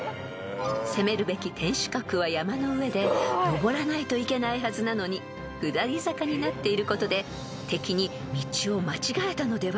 ［攻めるべき天守閣は山の上で登らないといけないはずなのに下り坂になっていることで］